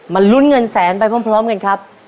ลุ้นเงินแสนไปพร้อมกันครับ